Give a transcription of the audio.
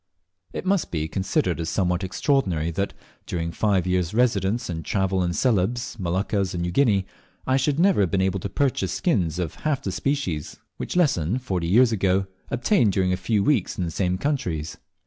It must be considered as somewhat extraordinary that, during five years' residence and travel in Celebes, the Moluccas, and New Guinea, I should never have been able to purchase skins of half the species which Lesson, forty years ago, obtained during a few weeks in the same countries.